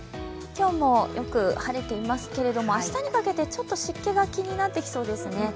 今日もよく晴れていますけれども、明日にかけて、ちょっと湿気が気になってきそうですね。